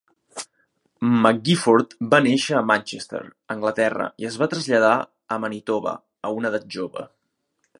McGifford va néixer a Manchester, Anglaterra, i es va traslladar a Manitoba a una edat jove.